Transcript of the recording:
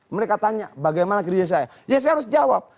mereka tanya bagaimana kerja saya ya saya harus jawab